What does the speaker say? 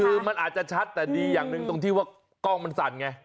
คือมันอาจจะชัดแต่ดีอย่างหนึ่งตรงที่ว่ากล้องมันสั่นไง